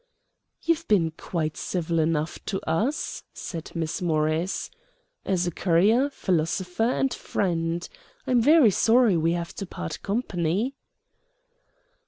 "You've been quite civil enough to us," said Miss Morris, "as a courier, philosopher, and friend. I'm very sorry we have to part company."